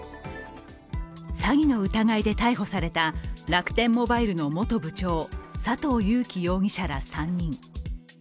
詐欺の疑いで逮捕された楽天モバイルの元部長佐藤友紀容疑者ら３人。